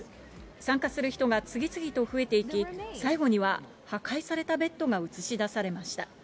参加する人が次々と増えていき、最後には破壊されたベッドが映し出されました。